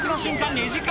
２時間